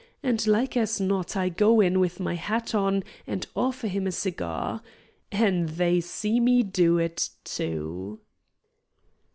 And like as not I go in with my hat on and offer him a cigar. An' they see me do it, too!"